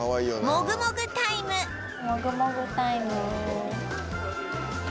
もぐもぐタイム。